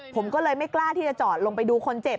ผมก็เลยไม่กล้าที่จะจอดลงไปดูคนเจ็บ